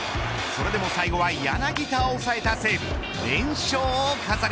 それでも最後は柳田を抑えた西武